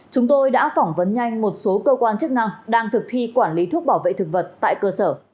chúng tôi đã phỏng vấn nhanh một số cơ quan chức năng đang thực thi quản lý thuốc bảo vệ thực vật tại cơ sở